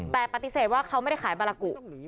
แต่ปฏิเสธว่าเขาไม่ได้ขายบาลากุ